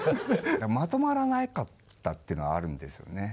まとまらなかったっていうのはあるんですよね